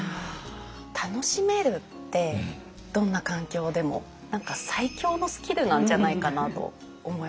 楽しめるってどんな環境でも何か最強のスキルなんじゃないかなと思います。